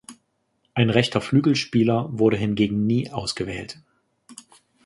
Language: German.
Ein rechter Flügelspieler wurde hingegen nie ausgewählt.